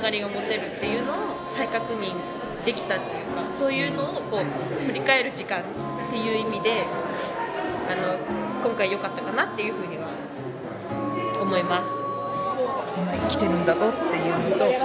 そういうのを振り返る時間っていう意味で今回よかったかなっていうふうには思います。